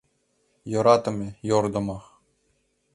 Йӧратыме — йӧрдымӧ